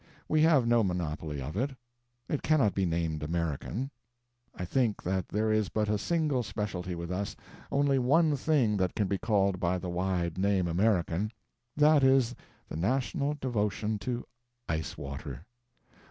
We have no monopoly of it; it cannot be named American. I think that there is but a single specialty with us, only one thing that can be called by the wide name "American." That is the national devotion to ice water.